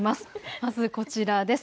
まずこちらです。